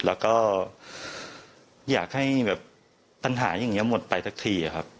แล้วก็อยากให้แบบปัญหาอย่างนี้หมดไปสักทีครับ